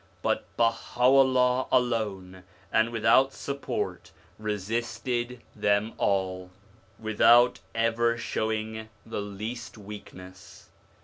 But Baha'u'llah alone and without support resisted them all, without ever show ing the least weakness.